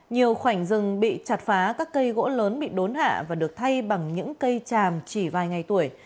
nhiều khoảnh rừng bị chặt phá các cây gỗ lớn bị đốn hạ và được thay bằng những cây tràm chỉ vài ngày tuổi